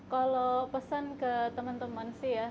kalau pesan ke teman teman sih ya